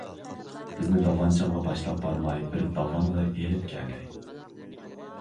بىزنى داۋانچىڭغا باشلاپ بارماي، بىر داۋانغا ئېلىپ كەلدى.